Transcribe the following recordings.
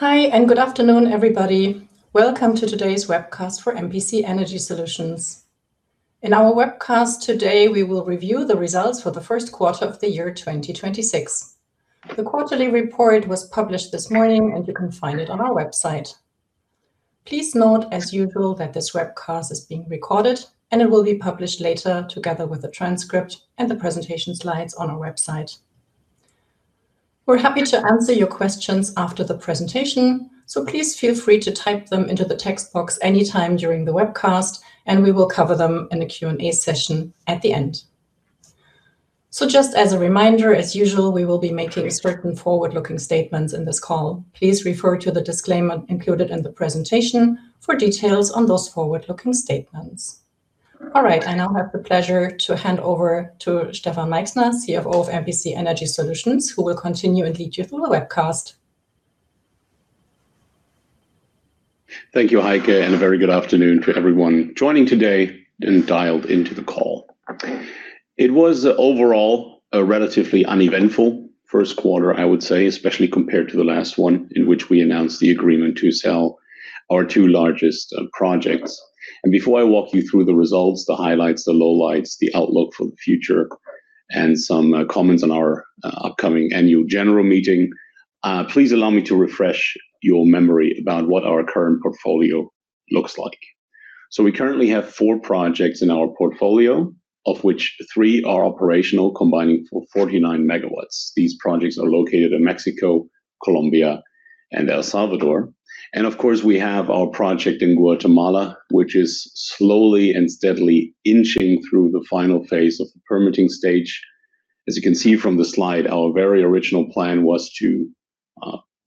Hi, and good afternoon, everybody. Welcome to today's webcast for MPC Energy Solutions. In our webcast today, we will review the results for the first quarter of the year 2026. The quarterly report was published this morning, and you can find it on our website. Please note, as usual, that this webcast is being recorded, and it will be published later together with the transcript and the presentation slides on our website. We're happy to answer your questions after the presentation, so please feel free to type them into the text box anytime during the webcast, and we will cover them in the Q&A session at the end. Just as a reminder, as usual, we will be making certain forward-looking statements in this call. Please refer to the disclaimer included in the presentation for details on those forward-looking statements. All right. I now have the pleasure to hand over to Stefan Meichsner, CFO of MPC Energy Solutions, who will continue and lead you through the webcast. Thank you, Heike, and a very good afternoon to everyone joining today and dialed into the call. It was overall a relatively uneventful first quarter, I would say, especially compared to the last one, in which we announced the agreement to sell our two largest projects. Before I walk you through the results, the highlights, the lowlights, the outlook for the future, and some comments on our upcoming Annual General Meeting, please allow me to refresh your memory about what our current portfolio looks like. We currently have four projects in our portfolio, of which three are operational, combining for 49 MW. These projects are located in Mexico, Colombia, and El Salvador. Of course, we have our project in Guatemala, which is slowly and steadily inching through the final phase of the permitting stage. As you can see from the slide, our very original plan was to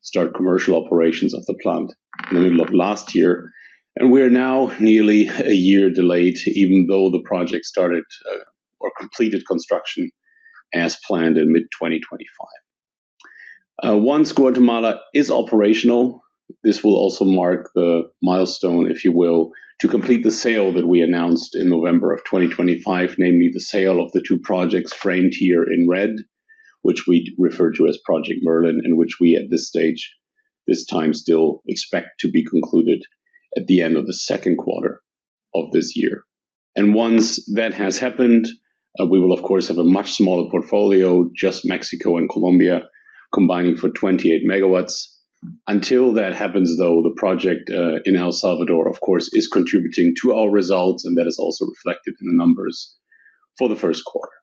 start commercial operations of the plant in the middle of last year, and we are now nearly a year delayed, even though the project started or completed construction as planned in mid-2025. Once Guatemala is operational, this will also mark the milestone, if you will, to complete the sale that we announced in November of 2025, namely the sale of the two projects framed here in red, which we refer to as Project Merlin, and which we at this stage this time still expect to be concluded at the end of the second quarter of this year. Once that has happened, we will of course have a much smaller portfolio, just Mexico and Colombia, combining for 28 MW. Until that happens though, the project in El Salvador of course is contributing to our results, and that is also reflected in the numbers for the first quarter.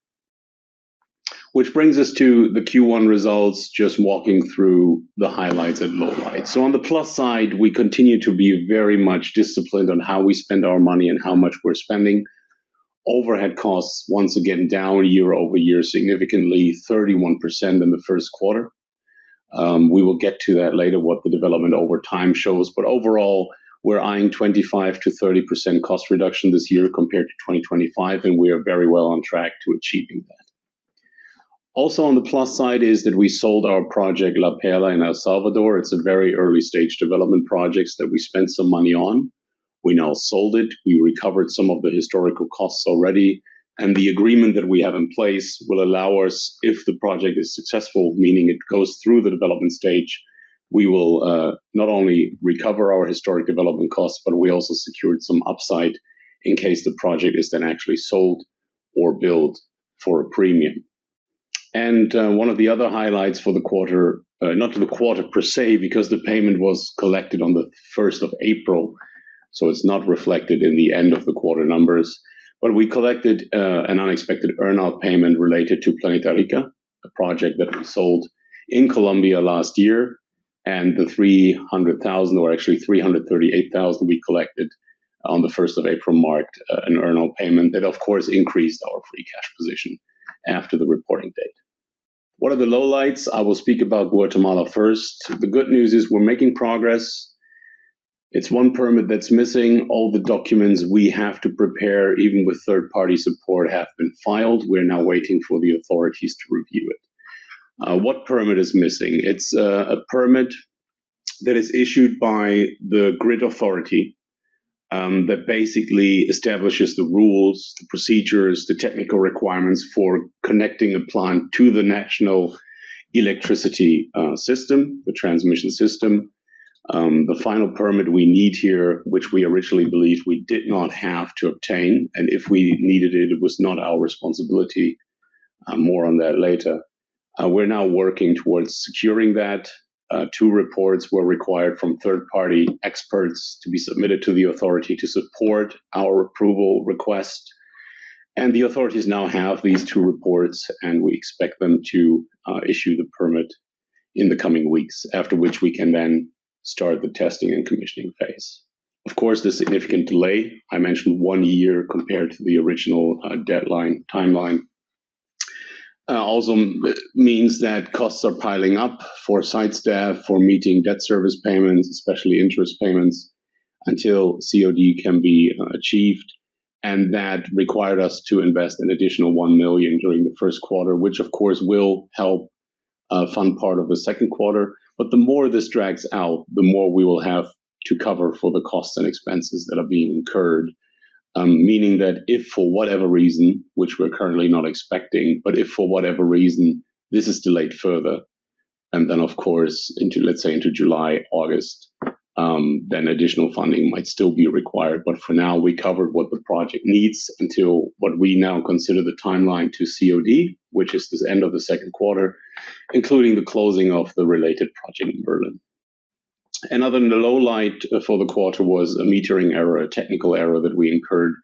Which brings us to the Q1 results, just walking through the highlights and lowlights. On the plus side, we continue to be very much disciplined on how we spend our money and how much we're spending. Overhead costs once again down year-over-year, significantly 31% in the first quarter. We will get to that later, what the development over time shows. Overall, we're eyeing 25%-30% cost reduction this year compared to 2025, and we are very well on track to achieving that. Also on the plus side is that we sold our project, La Perla in El Salvador. It's a very early stage development projects that we spent some money on. We now sold it. We recovered some of the historical costs already. The agreement that we have in place will allow us, if the project is successful, meaning it goes through the development stage. We will not only recover our historic development costs, but we also secured some upside in case the project is then actually sold or built for a premium. One of the other highlights for the quarter, not the quarter per se, because the payment was collected on the first of April, so it's not reflected in the end of the quarter numbers. We collected an unexpected earn-out payment related to Planeta Rica, a project that we sold in Colombia last year, and the $300,000, or actually $338,000 we collected on the first of April marked an earn-out payment that of course increased our free cash position after the reporting date. What are the lowlights? I will speak about Guatemala first. The good news is we're making progress. It's one permit that's missing. All the documents we have to prepare, even with third-party support, have been filed. We're now waiting for the authorities to review it. What permit is missing? It's a permit that is issued by the grid authority that basically establishes the rules, the procedures, the technical requirements for connecting a plant to the national electricity system, the transmission system. The final permit we need here, which we originally believed we did not have to obtain, and if we needed it was not our responsibility. More on that later. We're now working towards securing that. Two reports were required from third-party experts to be submitted to the authority to support our approval request. The authorities now have these two reports, and we expect them to issue the permit in the coming weeks, after which we can then start the testing and commissioning phase. Of course, the significant delay, I mentioned one year compared to the original deadline timeline, also means that costs are piling up for site staff, for meeting debt service payments, especially interest payments, until COD can be achieved. That required us to invest an additional $1 million during the first quarter, which of course will help fund part of the second quarter. The more this drags out, the more we will have to cover for the costs and expenses that are being incurred, meaning that if for whatever reason, which we're currently not expecting, but if for whatever reason this is delayed further, then of course, into, let's say, into July, August, then additional funding might still be required. For now, we covered what the project needs until what we now consider the timeline to COD, which is this end of the second quarter, including the closing of the related project in Merlin. Another low light for the quarter was a metering error, a technical error that we incurred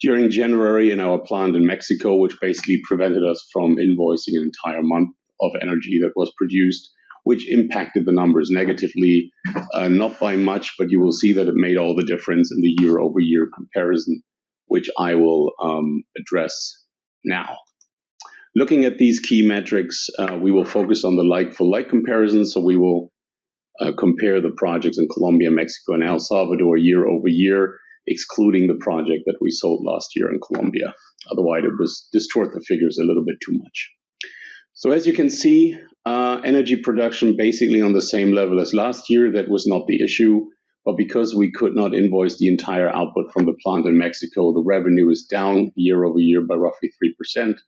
during January in our plant in Mexico, which basically prevented us from invoicing an entire month of energy that was produced, which impacted the numbers negatively, not by much, but you will see that it made all the difference in the year-over-year comparison, which I will address now. Looking at these key metrics, we will focus on the like-for-like comparison. We will compare the projects in Colombia, Mexico and El Salvador year-over-year, excluding the project that we sold last year in Colombia. Otherwise, it would distort the figures a little bit too much. As you can see, energy production basically on the same level as last year, that was not the issue. Because we could not invoice the entire output from the plant in Mexico, the revenue is down year-over-year by roughly 3%,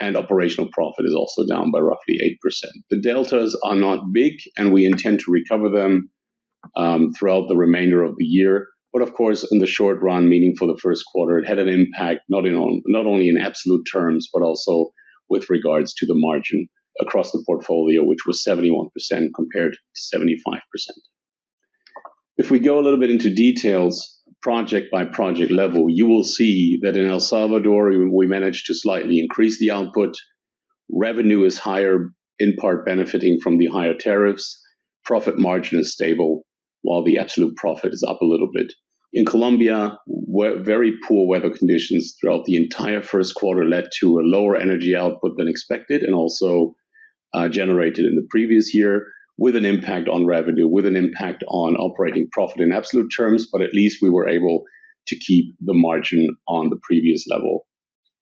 and operational profit is also down by roughly 8%. The deltas are not big, and we intend to recover them throughout the remainder of the year. Of course, in the short run, meaning for the first quarter, it had an impact not only in absolute terms, but also with regards to the margin across the portfolio, which was 71% compared to 75%. If we go a little bit into details, project-by-project level, you will see that in El Salvador, we managed to slightly increase the output. Revenue is higher, in part benefiting from the higher tariffs. Profit margin is stable, while the absolute profit is up a little bit. In Colombia, very poor weather conditions throughout the entire first quarter led to a lower energy output than expected and also generated in the previous year with an impact on revenue, with an impact on operating profit in absolute terms. At least we were able to keep the margin on the previous level,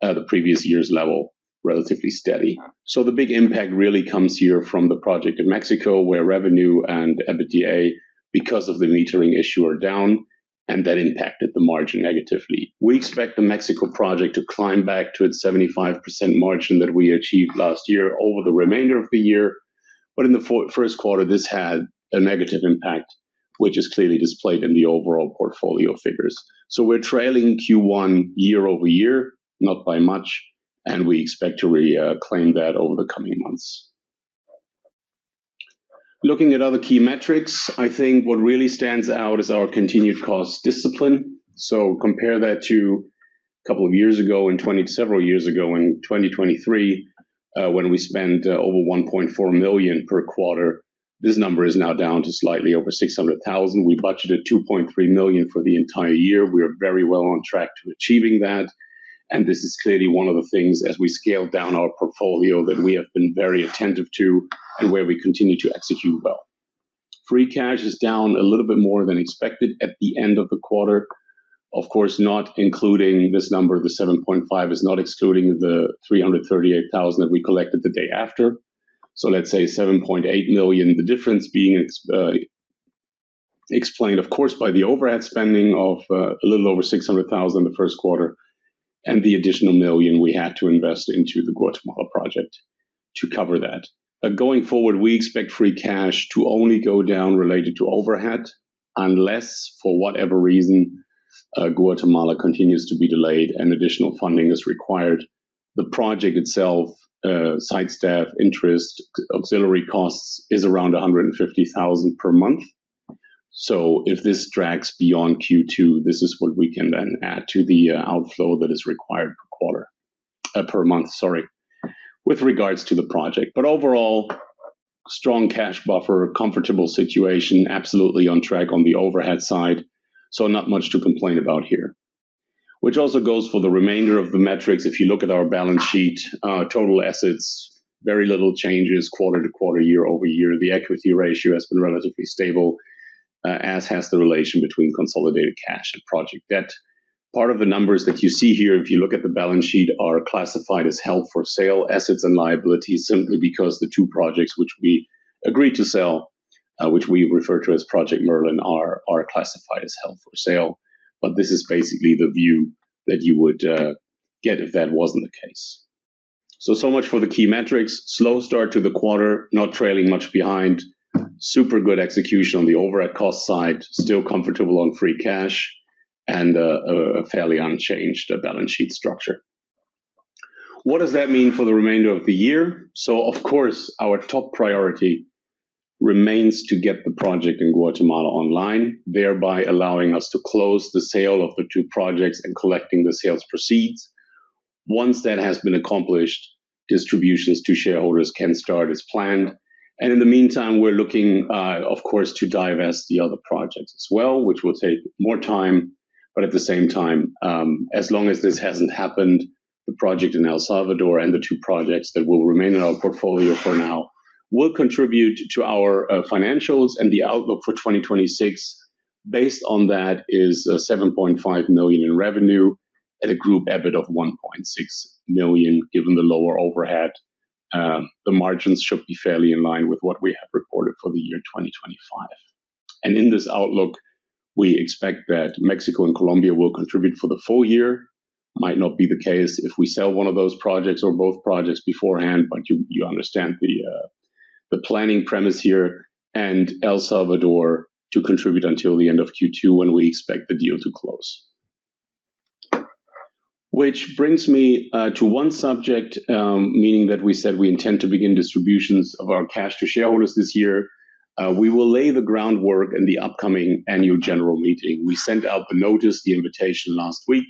the previous year's level relatively steady. The big impact really comes here from the project in Mexico, where revenue and EBITDA, because of the metering issue, are down, and that impacted the margin negatively. We expect the Mexico project to climb back to its 75% margin that we achieved last year over the remainder of the year. In the first quarter, this had a negative impact, which is clearly displayed in the overall portfolio figures. We're trailing Q1 year-over-year, not by much, and we expect to reclaim that over the coming months. Looking at other key metrics, I think what really stands out is our continued cost discipline. Compare that to several years ago in 2023, when we spent over $1.4 million per quarter, this number is now down to slightly over $600,000. We budgeted $2.3 million for the entire year. We are very well on track to achieving that, and this is clearly one of the things, as we scale down our portfolio, that we have been very attentive to and where we continue to execute well. Free cash is down a little bit more than expected at the end of the quarter. Not including this number, the $7.5 is not excluding the $338,000 that we collected the day after. Let's say $7.8 million, the difference being explained, of course, by the overhead spending of a little over $600,000 the Q1 and the additional $1 million we had to invest into the Guatemala project to cover that. Going forward, we expect free cash to only go down related to overhead, unless, for whatever reason, Guatemala continues to be delayed and additional funding is required. The project itself, site staff, interest, auxiliary costs, is around $150,000 per month. If this drags beyond Q2, this is what we can then add to the outflow that is required per quarter, per month, sorry, with regards to the project. Overall, strong cash buffer, comfortable situation, absolutely on track on the overhead side. Not much to complain about here, which also goes for the remainder of the metrics. If you look at our balance sheet, total assets, very little changes quarter-to-quarter, year-over-year. The equity ratio has been relatively stable, as has the relation between consolidated cash and project debt. Part of the numbers that you see here, if you look at the balance sheet, are classified as held for sale assets and liabilities, simply because the two projects which we agreed to sell, which we refer to as Project Merlin, are classified as held for sale. This is basically the view that you would get if that wasn't the case. Much for the key metrics. Slow start to the quarter, not trailing much behind. Super good execution on the overhead cost side. Still comfortable on free cash and a fairly unchanged balance sheet structure. What does that mean for the remainder of the year? Of course, our top priority remains to get the project in Guatemala online, thereby allowing us to close the sale of the two projects and collecting the sales proceeds. Once that has been accomplished, distributions to shareholders can start as planned. In the meantime, we're looking, of course, to divest the other projects as well, which will take more time. At the same time, as long as this hasn't happened, the project in El Salvador and the two projects that will remain in our portfolio for now will contribute to our financials. The outlook for 2026 based on that is $7.5 million in revenue at a group EBIT of $1.6 million, given the lower overhead. The margins should be fairly in line with what we have reported for the year 2025. In this outlook, we expect that Mexico and Colombia will contribute for the full year. Might not be the case if we sell one of those projects or both projects beforehand, but you understand the planning premise here, and El Salvador to contribute until the end of Q2 when we expect the deal to close. Which brings me to one subject, meaning that we said we intend to begin distributions of our cash to shareholders this year. We will lay the groundwork in the upcoming Annual General Meeting. We sent out the notice, the invitation last week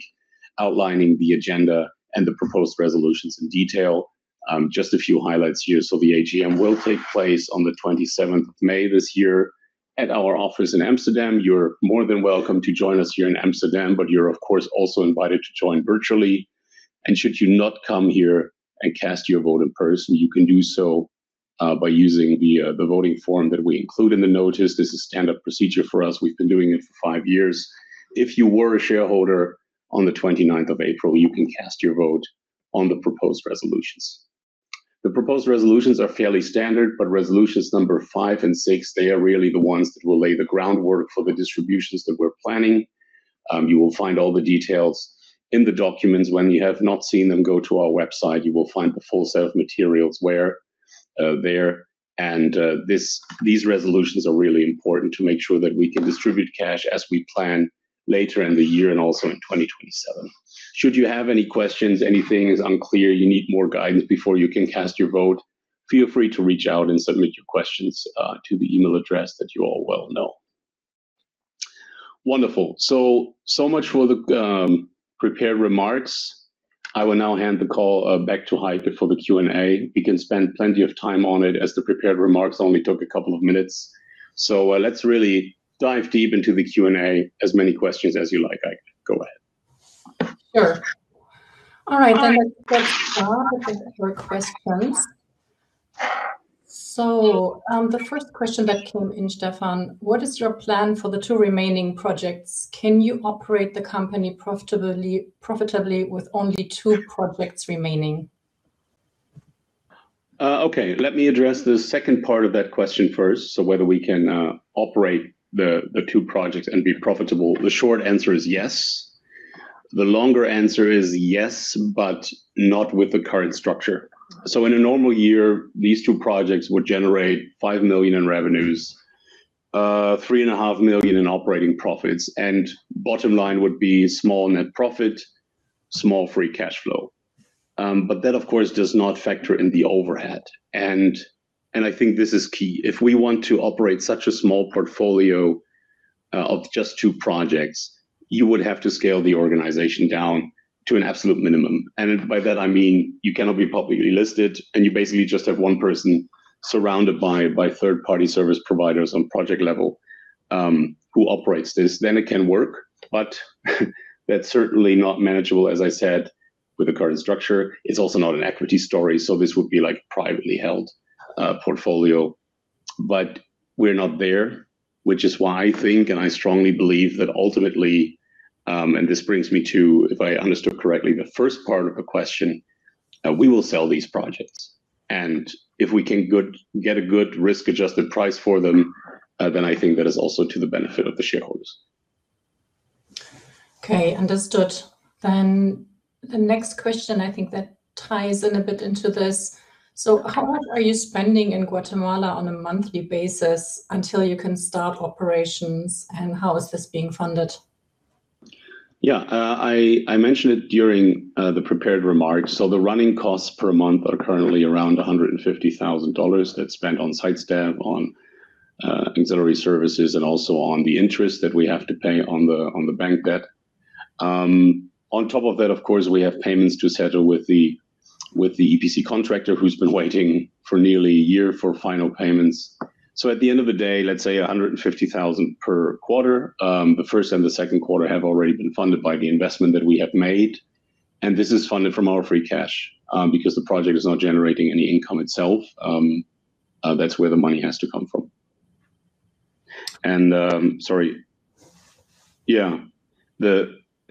outlining the agenda and the proposed resolutions in detail. Just a few highlights here. The AGM will take place on the 27th of May this year at our office in Amsterdam. You're more than welcome to join us here in Amsterdam, but you're of course also invited to join virtually. Should you not come here and cast your vote in person, you can do so by using the voting form that we include in the notice. This is standard procedure for us. We've been doing it for five years. If you were a shareholder on the 29th of April, you can cast your vote on the proposed resolutions. The proposed resolutions are fairly standard, but resolutions number five and six, they are really the ones that will lay the groundwork for the distributions that we're planning. You will find all the details in the documents. When you have not seen them, go to our website. You will find the full set of materials where there and These resolutions are really important to make sure that we can distribute cash as we plan later in the year and also in 2027. Should you have any questions, anything is unclear, you need more guidance before you can cast your vote, feel free to reach out and submit your questions to the email address that you all well know. Wonderful, so much for the prepared remarks. I will now hand the call back to Heike for the Q&A. We can spend plenty of time on it as the prepared remarks only took a couple of minutes. Let's really dive deep into the Q&A. As many questions as you like, Heike. Go ahead. Sure. All right. Let's get started with your questions. The first question that came in, Stefan, what is your plan for the two remaining projects? Can you operate the company profitably with only two projects remaining? Okay. Let me address the second part of that question first. Whether we can operate the two projects and be profitable. The short answer is yes. The longer answer is yes, but not with the current structure. In a normal year, these two projects would generate $5 million in revenues, $3.5 million in operating profits, and bottom line would be small net profit, small free cash flow. That of course does not factor in the overhead, and I think this is key. If we want to operate such a small portfolio of just two projects, you would have to scale the organization down to an absolute minimum. By that I mean you cannot be publicly listed, and you basically just have one person surrounded by third-party service providers on project level, who operates this, then it can work. That's certainly not manageable, as I said, with the current structure. It's also not an equity story, so this would be like privately held portfolio. We're not there, which is why I think and I strongly believe that ultimately, this brings me to, if I understood correctly, the first part of the question, we will sell these projects. If we can get a good risk-adjusted price for them, then I think that is also to the benefit of the shareholders. Okay. Understood. The next question I think that ties in a bit into this. How much are you spending in Guatemala on a monthly basis until you can start operations, and how is this being funded? I mentioned it during the prepared remarks. The running costs per month are currently around $150,000. That's spent on site staff, on ancillary services, and also on the interest that we have to pay on the bank debt. On top of that, of course, we have payments to settle with the EPC contractor who's been waiting for nearly a year for final payments. At the end of the day, let's say $150,000 per quarter. The first and the second quarter have already been funded by the investment that we have made, and this is funded from our free cash. Because the project is not generating any income itself, that's where the money has to come from. Sorry.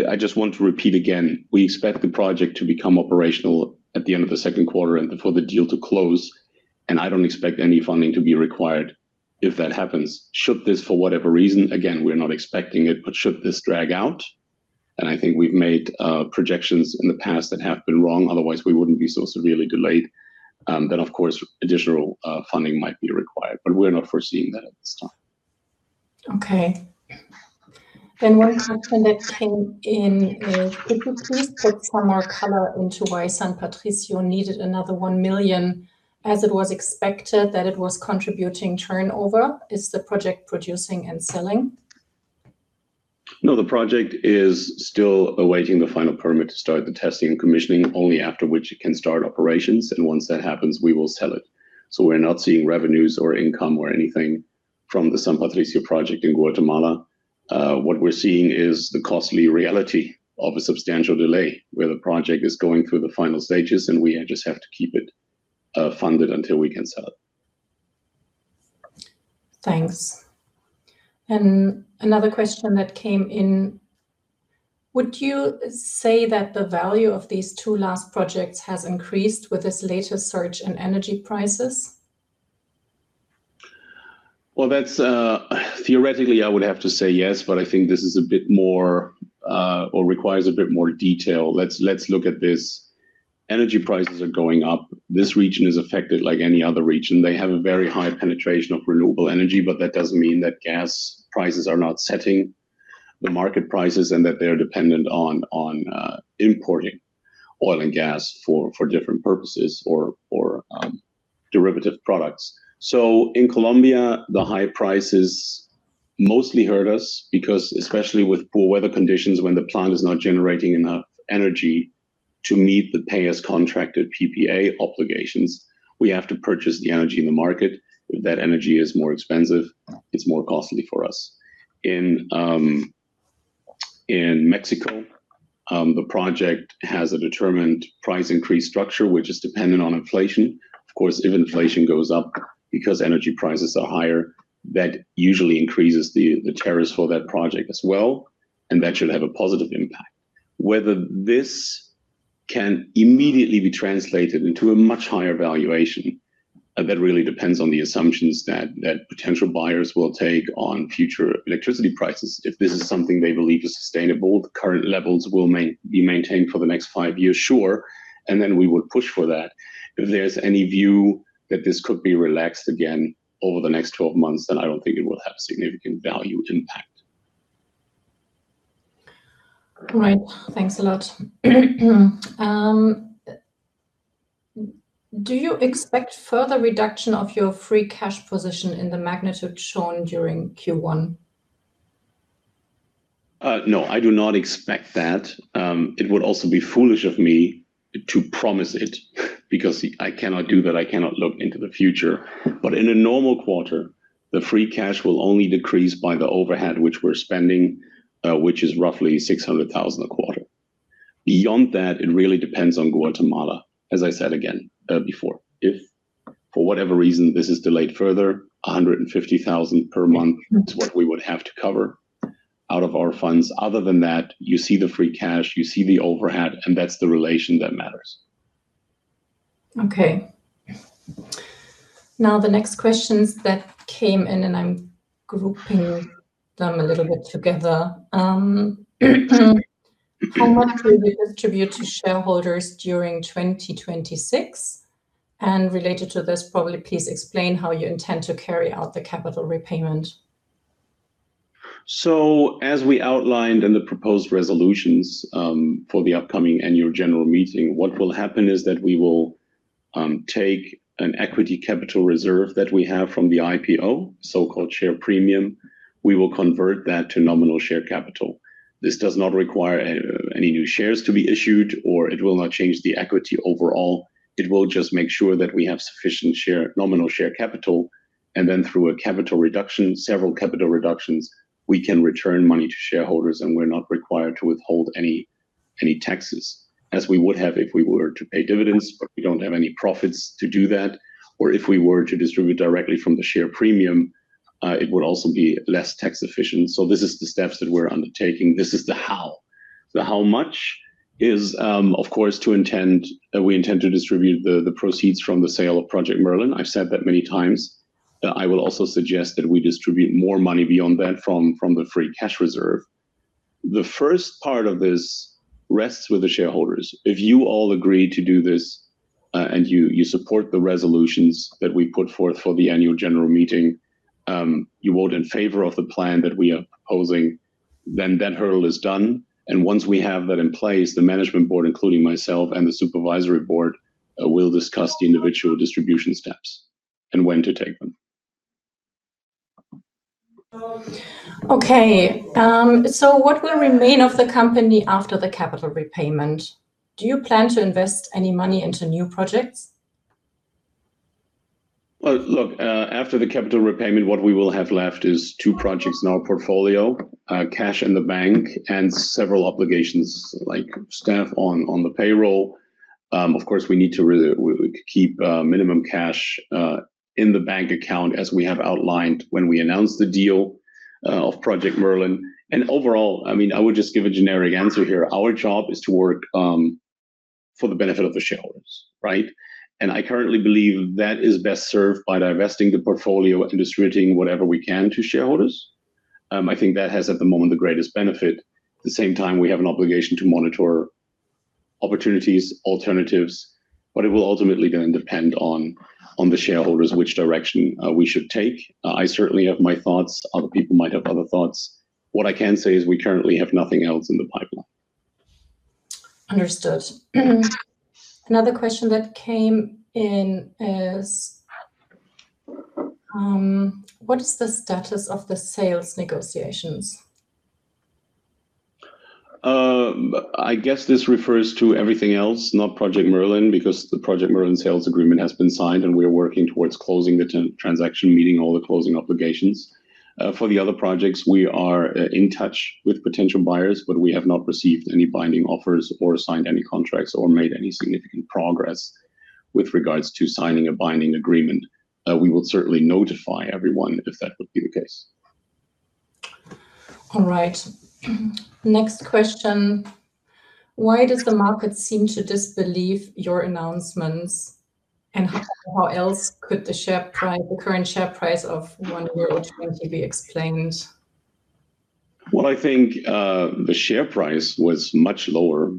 I just want to repeat again, we expect the project to become operational at the end of the second quarter and for the deal to close. I don't expect any funding to be required if that happens. Should this, for whatever reason, again, we're not expecting it, should this drag out, I think we've made projections in the past that have been wrong, otherwise we wouldn't be so severely delayed, of course additional funding might be required. We're not foreseeing that at this time. Okay. One question that came in is, could you please put some more color into why San Patricio needed another $1 million, as it was expected that it was contributing turnover? Is the project producing and selling? No, the project is still awaiting the final permit to start the testing and commissioning, only after which it can start operations. Once that happens, we will sell it. We're not seeing revenues or income or anything from the San Patricio project in Guatemala. What we're seeing is the costly reality of a substantial delay, where the project is going through the final stages and we just have to keep it funded until we can sell it. Thanks. Another question that came in: would you say that the value of these two last projects has increased with this latest surge in energy prices? Well, that's theoretically I would have to say yes, but I think this is a bit more or requires a bit more detail. Let's look at this. Energy prices are going up. This region is affected like any other region. They have a very high penetration of renewable energy, but that doesn't mean that gas prices are not setting the market prices, and that they're dependent on importing oil and gas for different purposes or derivative products. In Colombia, the high prices mostly hurt us because, especially with poor weather conditions, when the plant is not generating enough energy to meet the pay-as-contracted PPA obligations, we have to purchase the energy in the market. That energy is more expensive. It's more costly for us. In Mexico, the project has a determined price increase structure, which is dependent on inflation. Of course, if inflation goes up because energy prices are higher, that usually increases the tariffs for that project as well, and that should have a positive impact. Whether this can immediately be translated into a much higher valuation, that really depends on the assumptions that potential buyers will take on future electricity prices. If this is something they believe is sustainable, the current levels will mainly be maintained for the next five years, sure, and then we would push for that. If there's any view that this could be relaxed again over the next 12 months, then I don't think it will have significant value impact. Right. Thanks a lot. Do you expect further reduction of your free cash position in the magnitude shown during Q1? No, I do not expect that. It would also be foolish of me to promise it because I cannot do that. I cannot look into the future. In a normal quarter, the free cash will only decrease by the overhead, which we're spending, which is roughly $600,000 a quarter. Beyond that, it really depends on Guatemala, as I said again, before. If, for whatever reason, this is delayed further, $150,000 per month is what we would have to cover out of our funds. Other than that, you see the free cash, you see the overhead, that's the relation that matters. Okay. Now, the next questions that came in, and I'm grouping them a little bit together. How much will you distribute to shareholders during 2026? Related to this, probably please explain how you intend to carry out the capital repayment. As we outlined in the proposed resolutions, for the upcoming annual general meeting, what will happen is that we will take an equity capital reserve that we have from the IPO, so-called share premium. We will convert that to nominal share capital. This does not require any new shares to be issued, or it will not change the equity overall. It will just make sure that we have sufficient share, nominal share capital, and then through a capital reduction, several capital reductions, we can return money to shareholders, and we're not required to withhold any taxes as we would have if we were to pay dividends. We don't have any profits to do that. If we were to distribute directly from the share premium, it would also be less tax efficient. This is the steps that we're undertaking. This is the how. The how much is, of course, we intend to distribute the proceeds from the sale of Project Merlin. I've said that many times. I will also suggest that we distribute more money beyond that from the free cash reserve. The first part of this rests with the shareholders. If you all agree to do this, and you support the resolutions that we put forth for the annual general meeting, you vote in favor of the plan that we are proposing, that hurdle is done. Once we have that in place, the management board, including myself and the supervisory board, will discuss the individual distribution steps and when to take them. Okay. What will remain of the company after the capital repayment? Do you plan to invest any money into new projects? Well, look, after the capital repayment, what we will have left is two projects in our portfolio, cash in the bank, and several obligations like staff on the payroll. Of course, we need to keep minimum cash in the bank account as we have outlined when we announced the deal of Project Merlin. Overall, I mean, I would just give a generic answer here. Our job is to work for the benefit of the shareholders, right? I currently believe that is best served by divesting the portfolio and distributing whatever we can to shareholders. I think that has, at the moment, the greatest benefit. At the same time, we have an obligation to monitor opportunities, alternatives, it will ultimately going to depend on the shareholders which direction we should take. I certainly have my thoughts. Other people might have other thoughts. What I can say is we currently have nothing else in the pipeline. Understood. Another question that came in is, what is the status of the sales negotiations? I guess this refers to everything else, not Project Merlin, because the Project Merlin sales agreement has been signed, and we are working towards closing the transaction, meeting all the closing obligations. For the other projects, we are in touch with potential buyers, but we have not received any binding offers or signed any contracts or made any significant progress with regards to signing a binding agreement. We will certainly notify everyone if that would be the case. All right. Next question: Why does the market seem to disbelieve your announcements, and how else could the current share price of $1.020 be explained? Well, I think, the share price was much lower,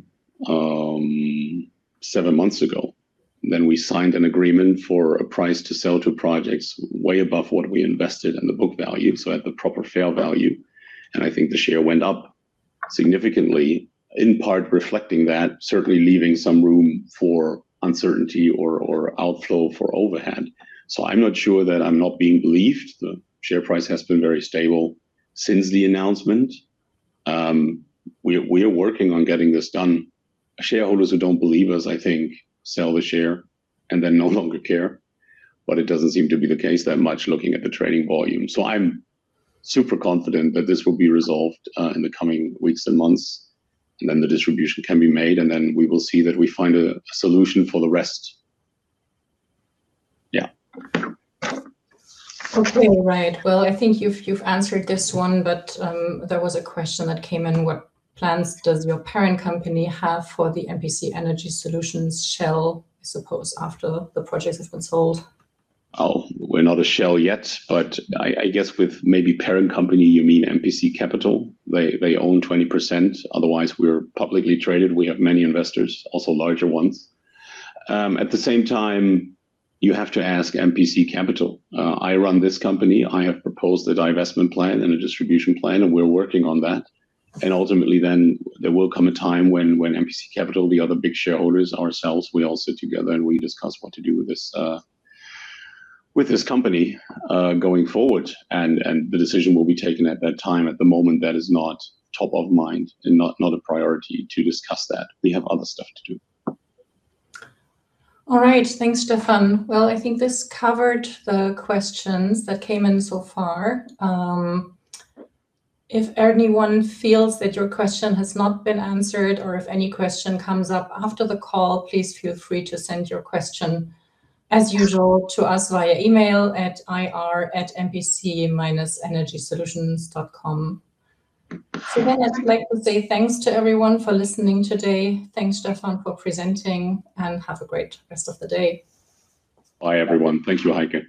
seven months ago. We signed an agreement for a price to sell two projects way above what we invested in the book value, so at the proper fair value. I think the share went up significantly, in part reflecting that, certainly leaving some room for uncertainty or outflow for overhead. I'm not sure that I'm not being believed. The share price has been very stable since the announcement. We are working on getting this done. Shareholders who don't believe us, I think, sell the share and then no longer care, it doesn't seem to be the case that much looking at the trading volume. I'm super confident that this will be resolved in the coming weeks and months, and then the distribution can be made, and then we will see that we find a solution for the rest. Yeah. Okay. Right. Well, I think you've answered this one, there was a question that came in. What plans does your parent company have for the MPC Energy Solutions shell, I suppose, after the projects have been sold? We're not a shell yet, but I guess with maybe parent company you mean MPC Capital. They own 20%, otherwise we're publicly traded. We have many investors, also larger ones. At the same time, you have to ask MPC Capital. I run this company. I have proposed a divestment plan and a distribution plan, and we're working on that. Ultimately, there will come a time when MPC Capital, the other big shareholders, ourselves, we all sit together and we discuss what to do with this company going forward. The decision will be taken at that time. At the moment, that is not top of mind and not a priority to discuss that. We have other stuff to do. All right. Thanks, Stefan. Well, I think this covered the questions that came in so far. If anyone feels that your question has not been answered or if any question comes up after the call, please feel free to send your question, as usual, to us via email at ir@mpc-energysolutions.com. I'd like to say thanks to everyone for listening today. Thanks, Stefan, for presenting, and have a great rest of the day. Bye everyone. Thank you, Heike.